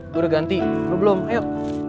gue udah ganti lo belum ayo